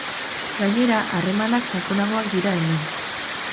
Gainera, harremanak sakonagoak dira hemen.